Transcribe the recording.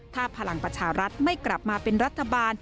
ถ้าพลังประชารัฐไม่กลับมาเป็นรัฐบาล